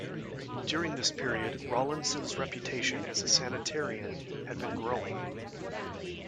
During this period Rawlinson's reputation as a sanitarian had been growing.